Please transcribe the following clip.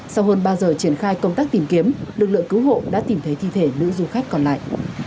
sau hơn ba giờ triển khai công tác tìm kiếm lực lượng cứu hộ đã tìm thấy thi thể nữ du khách còn lại